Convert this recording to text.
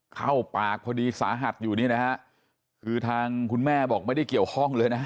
เข้าปากพอดีสาหัสอยู่นี่นะฮะคือทางคุณแม่บอกไม่ได้เกี่ยวข้องเลยนะ